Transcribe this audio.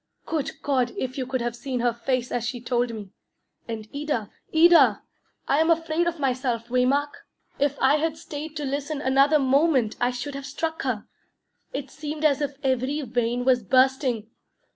Good God, if you could have seen her face as she told me! And Ida, Ida! I am afraid of myself, Waymark. If I had stayed to listen another moment, I should have struck her. It seemed as if every vein was bursting.